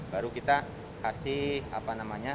baru kita kasih apa namanya